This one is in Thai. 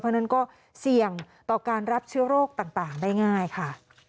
เพราะฉะนั้นก็เสี่ยงต่อการรับเชื้อโรคต่างได้ง่ายค่ะ